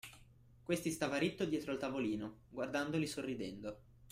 Questi stava ritto dietro il tavolino, guardandoli sorridendo.